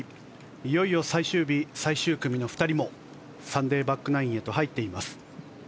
いよいよ最終日最終組の２人もサンデーバックナインへと入っています。